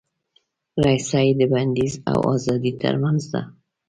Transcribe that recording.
رسۍ د بندیز او ازادۍ ترمنځ ده.